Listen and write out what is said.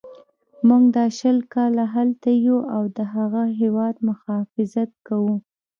موږ دا شل کاله هلته یو او د هغه هیواد مخافظت کوو.